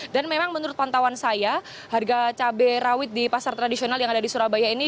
dan memang menurut pantauan saya harga cabai rawit di pasar tradisional yang ada di surabaya ini